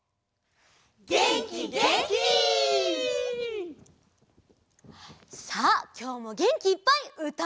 げんきげんき！さあきょうもげんきいっぱいうたっておどるよ！